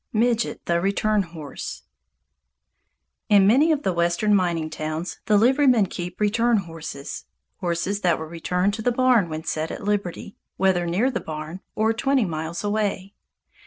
Midget, the Return Horse In many of the Western mining towns, the liverymen keep "return horses," horses that will return to the barn when set at liberty, whether near the barn or twenty miles away.